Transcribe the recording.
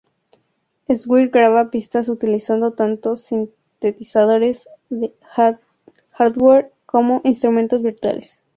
Swire graba pistas utilizando tanto sintetizadores de hardware como instrumentos virtuales.